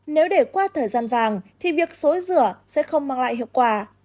nếu để qua thời gian vàng thì việc xối rửa sẽ không mang lại hiệu quả